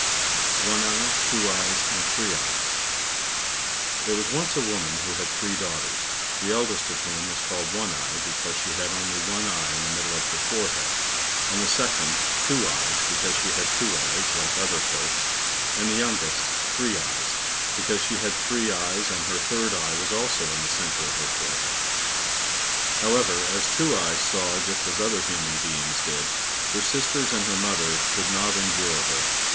130 One eye, Two eyes, and Three eyes There was once a woman who had three daughters, the eldest of whom was called One eye, because she had only one eye in the middle of her forehead, and the second, Two eyes, because she had two eyes like other folks, and the youngest, Three eyes, because she had three eyes; and her third eye was also in the centre of her forehead. However, as Two eyes saw just as other human beings did, her sisters and her mother could not endure her.